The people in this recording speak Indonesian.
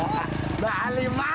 wah dah lima